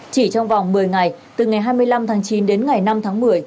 chỉ trong vòng một mươi ngày từ ngày hai mươi năm tháng chín đến ngày năm tháng một mươi